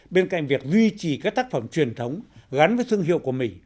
bên cạnh việc duy trì các tác phẩm truyền thống gắn với thương hiệu của mình